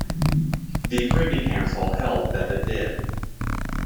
The Privy Council held that it did.